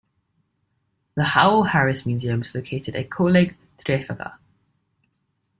The Howell Harris Museum is located at Coleg Trefeca.